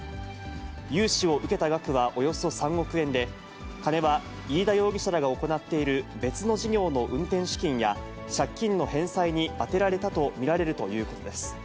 融資を受けた額はおよそ３億円で、金は飯田容疑者らが行っている別の事業の運転資金や、借金の返済に充てられたと見られるということです。